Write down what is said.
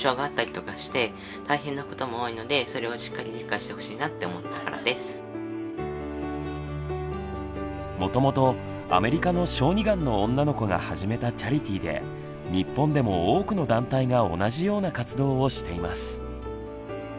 四郎さんは元々アメリカの小児がんの女の子が始めたチャリティで日本でも多くの団体が同じような活動をしています。